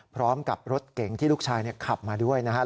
พร้อมกับรถเก๋งที่ลูกชายขับมาด้วยนะครับ